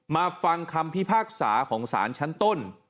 มาฟังคำพิพากษาของสารชั้นต้น